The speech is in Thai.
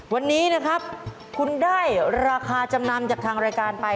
วันนี้นะครับคุณได้ราคาจำนำจากทางรายการไป